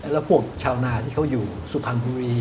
แล้วพวกชาวนาที่เขาอยู่สุพรรณบุรี